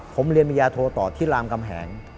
ผมเรียนปริญญาโทต่อที่รามกำแหง